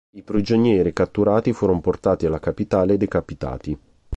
I prigionieri catturati furono portati alla capitale e decapitati.